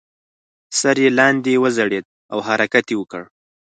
سر یې لاندې وځړید او حرکت یې وکړ.